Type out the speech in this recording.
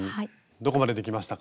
どこまでできましたか？